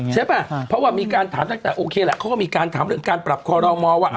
ใช่ป่ะเพราะว่ามีการถามตั้งแต่โอเคแหละเขาก็มีการถามเรื่องการปรับคอรมอลว่า